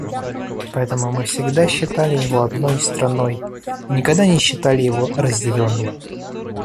Поэтому мы всегда считали его одной страной и никогда не считали его разделенным.